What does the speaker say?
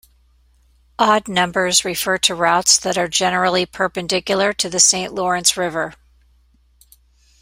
Odd numbers refer to routes that are generally perpendicular to the Saint Lawrence River.